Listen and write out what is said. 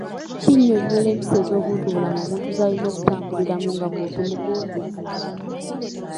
Kinnyonnyola empisa ez’obuntubulamu omuntu z’alina okutambuliramu nga muntu mugunjuvu.